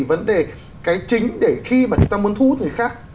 vấn đề cái chính để khi mà chúng ta muốn thu hút người khác